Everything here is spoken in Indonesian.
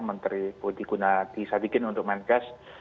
menteri budi gunadisadikin untuk menkes